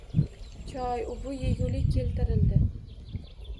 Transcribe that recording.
Choy, u-bu yegulik keltirildi